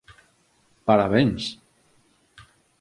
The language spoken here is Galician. Parabéns.